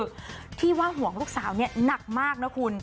คือที่ว่าห่วงลูกสาวเนี่ยหนักมากนะคุณ